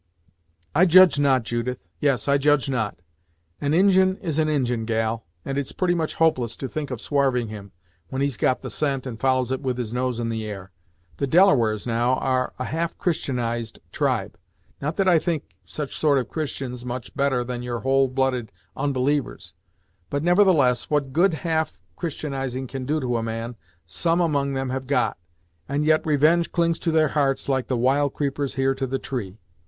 "I judge not, Judith; yes, I judge not. An Injin is an Injin, gal, and it's pretty much hopeless to think of swarving him, when he's got the scent and follows it with his nose in the air. The Delawares, now, are a half Christianized tribe not that I think such sort of Christians much better than your whole blooded onbelievers but, nevertheless, what good half Christianizing can do to a man, some among 'em have got, and yet revenge clings to their hearts like the wild creepers here to the tree!